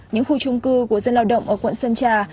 những khu trung cư của dân lao động ở quận sơn trà